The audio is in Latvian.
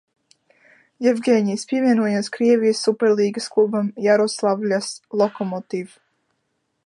"Jevgeņijs pievienojās Krievijas Superlīgas klubam Jaroslavļas "Lokomotiv"."